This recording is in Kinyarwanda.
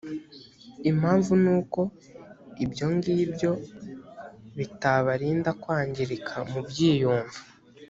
impamvu ni uko ibyo ngibyo bitabarinda kwangirika mu byiyumvo